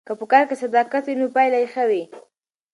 که په کار کې صداقت وي نو پایله یې ښه وي.